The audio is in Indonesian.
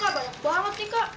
banyak banget nih kak